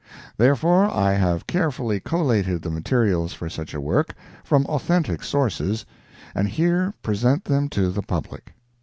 Therefore, I have carefully collated the materials for such a work, from authentic sources, and here present them to the public.